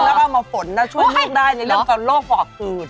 แล้วก็เอามาฝนนะช่วยลูกได้ในเรื่องการโรคหวอกคลืน